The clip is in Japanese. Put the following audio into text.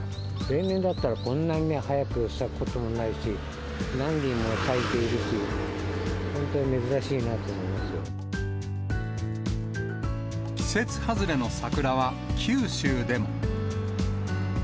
例年だったら、こんなにね、早く咲くこともないし、何輪も咲いているし、本当に珍しいなと思季節外れの桜は九州でも。